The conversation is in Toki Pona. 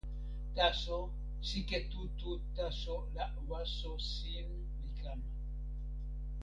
taso sike tu tu taso la waso sin li kama.